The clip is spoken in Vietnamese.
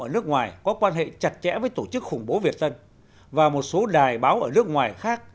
ở nước ngoài có quan hệ chặt chẽ với tổ chức khủng bố việt tân và một số đài báo ở nước ngoài khác